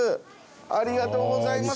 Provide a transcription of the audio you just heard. ありがとうございます。